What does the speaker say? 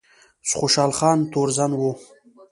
خوشحال خان تورزن و